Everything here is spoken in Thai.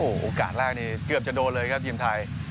โอกาสแรกนี่เกือบจะโดนเลยครับทีมไทย